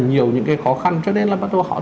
nhiều những cái khó khăn cho nên là bắt đầu họ